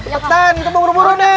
cepetan kita mau buru buru nih